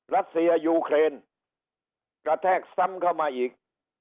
รัสเซียยูเครนกระแทกซ้ำเข้ามาอีก